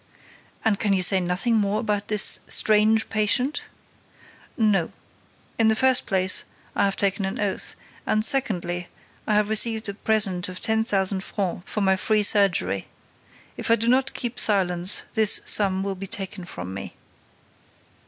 "And can you say nothing more about this strange patient?" "No. In the first place, I have taken an oath; and, secondly, I have received a present of ten thousand francs for my free surgery. If I do not keep silence, this sum will be taken from me."